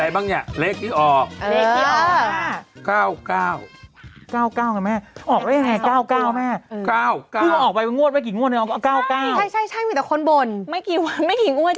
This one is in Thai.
โปรดติดตามตอนต่อไป